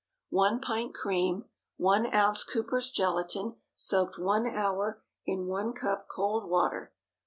1 pint cream. 1 oz. Cooper's gelatine, soaked one hour in one cup cold water.